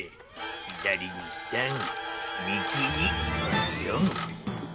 左に３右に４。